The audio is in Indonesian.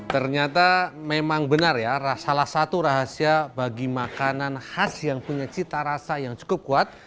ternyata memang benar ya salah satu rahasia bagi makanan khas yang punya cita rasa yang cukup kuat